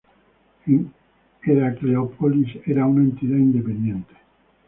En Heracleópolis era una entidad independiente.